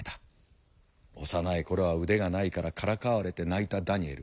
幼い頃は腕がないからからかわれて泣いたダニエル。